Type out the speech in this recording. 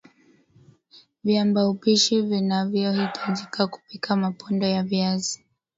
Viambaupishi wavianvyohitajika kupika mapondo ya viazi